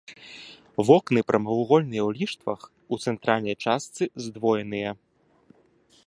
Вокны прамавугольныя ў ліштвах, у цэнтральнай частцы здвоеныя.